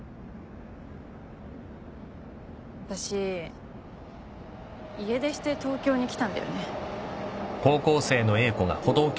私家出して東京に来たんだよね。